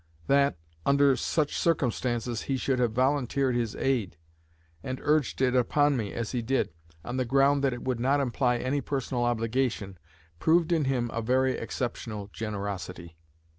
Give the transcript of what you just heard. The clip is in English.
That, under such circumstances, he should have volunteered his aid, and urged it upon me, as he did, on the ground that it would not imply any personal obligation, proved in him a very exceptional generosity.